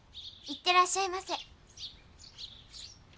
行ってらっしゃいませ。